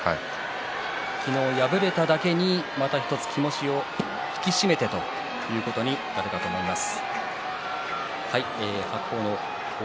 昨日敗れただけにまた１つ気持ちを引き締めてということになるかと思います。